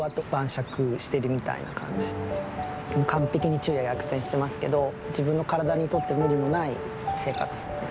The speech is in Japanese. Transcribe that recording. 完璧に昼夜逆転してますけど自分の体にとって無理のない生活ですかね。